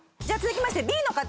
じゃあ続きまして。